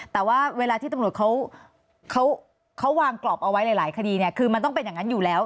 แต่ว่าเวลาที่ตำรวจเขาวางกรอบเอาไว้หลายคดีเนี่ยคือมันต้องเป็นอย่างนั้นอยู่แล้ว